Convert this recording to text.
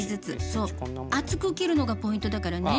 そう厚く切るのがポイントだからね。